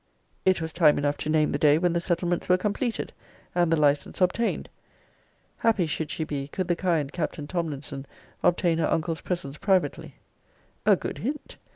It was time enough to name the day, when the settlements were completed, and the license obtained. Happy should she be, could the kind Captain Tomlinson obtain her uncle's presence privately. A good hint!